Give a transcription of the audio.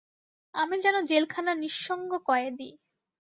আমি যেন জেলখানার নিঃসঙ্গ কয়েদী।